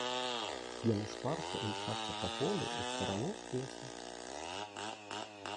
Яны шпарка імчацца па полі ў старану лесу.